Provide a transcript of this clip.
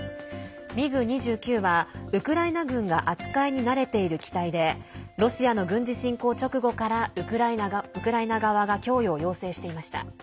ミグ２９はウクライナ軍が扱いに慣れている機体でロシアの軍事侵攻直後からウクライナ側が供与を要請していました。